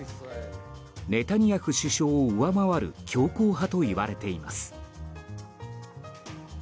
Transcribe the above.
ネタニヤフ首相を上回る強硬派といわれています。